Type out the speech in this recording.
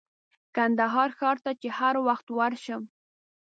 کندهار ښار ته چې هر وخت ورشم.